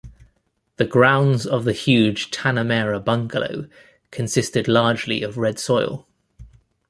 The grounds of the huge Tanamera bungalow consisted largely of red soil.